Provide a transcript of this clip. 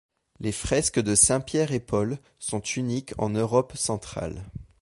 Les fresques de Saints-Pierre-et-Paul sont uniques en Europe centrale.